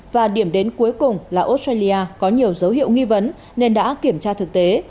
và điểm đến cuối cùng là australia có nhiều dấu hiệu nghi vấn nên đã kiểm tra thực tế